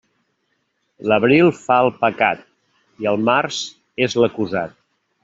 L'abril fa el pecat i el març és l'acusat.